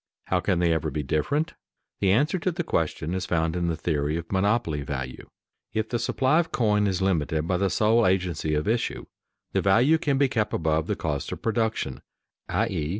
How can they ever be different? The answer to the question is found in the theory of monopoly value. If the supply of coin is limited by the sole agency of issue, the value can be kept above the cost of production (_i.e.